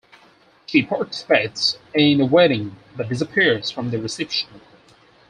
She participates in the wedding, but disappears from the reception.